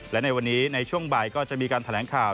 และในวันนี้ในช่วงบ่ายก็จะมีการแถลงข่าว